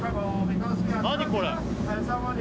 何これ？